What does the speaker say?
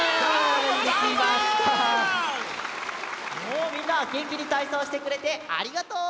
おみんなげんきにたいそうしてくれてありがとう！